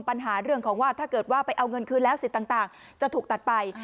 ปัญหาเรื่องของว่าถ้าเกิดว่าไปเอาเงินคืนแล้วสิทธิ์ต่างจะถูกตัดไป